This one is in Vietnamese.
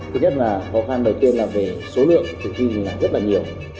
thứ nhất là khó khăn đầu tiên là về số lượng thử thi mình làm rất là nhiều